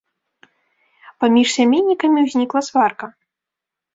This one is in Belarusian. Паміж сямейнікамі ўзнікла сварка.